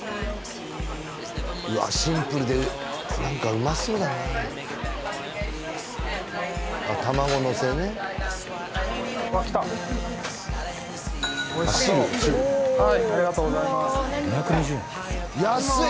うわっシンプルで何かうまそうだなあっ卵のせねうわっ来たおいしそうはいありがとうございます２２０円安い！